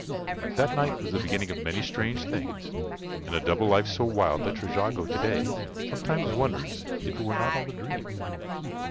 That night was the beginning of many strange things, and of a double life so wild that Trejago to day sometimes wonders if it were not all a dream.